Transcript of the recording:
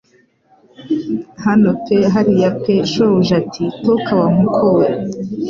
Hano pe hariya pe shobuja ati toka wa nkoko we